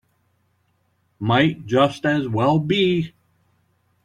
Might just as well be.